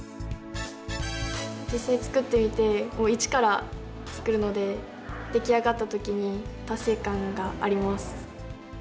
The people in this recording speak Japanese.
実際作ってみてもう一から作るので出来上がった時に達成感があります。